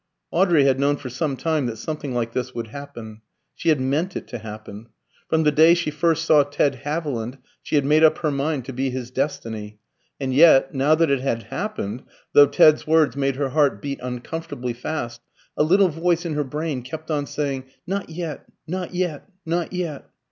Audrey had known for some time that something like this would happen. She had meant it to happen. From the day she first saw Ted Haviland, she had made up her mind to be his destiny; and yet, now that it had happened, though Ted's words made her heart beat uncomfortably fast, a little voice in her brain kept on saying, "Not yet not yet not yet."